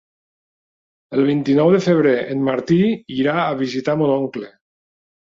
El vint-i-nou de febrer en Martí irà a visitar mon oncle.